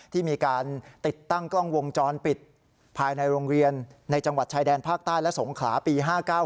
ที่มีการติดตั้งกล้องวงจรปิดภายในโรงเรียนในจังหวัดชายแดนภาคใต้และสงขลาปี๕๙